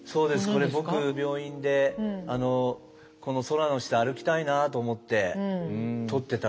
これ僕病院でこの空の下歩きたいなと思って撮ってた写真です。